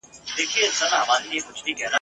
څوک له لویه سره ټیټ وي زېږېدلي ..